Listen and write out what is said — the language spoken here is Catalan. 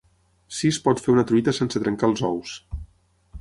Sí es pot fer una truita sense trencar els ous!